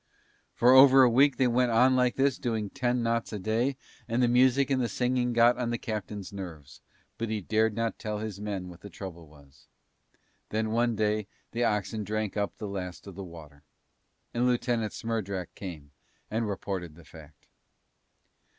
For over a week they went on like this doing ten knots a day and the music and singing got on the captain's nerves, but he dared not tell his men what the trouble was. And then one day the oxen drank up the last of the water. And Lieutenant Smerdrak came and reported the fact.